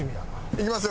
いきますよ。